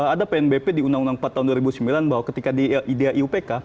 ada pnbp di undang undang empat tahun dua ribu sembilan bahwa ketika di idea iupk